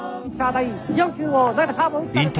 第４球を投げた！